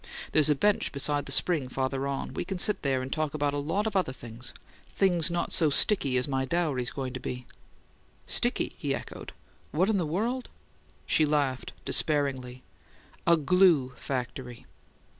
"There's a bench beside a spring farther on; we can sit there and talk about a lot of things things not so sticky as my dowry's going to be." "'Sticky?'" he echoed. "What in the world " She laughed despairingly. "A glue factory!"